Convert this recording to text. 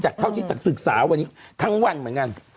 จากเท่าที่ศักดิ์ศึกษาวันนี้ทั้งวันเหมือนกัน